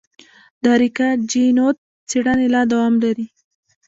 د اریکا چینوت څېړنې لا دوام لري.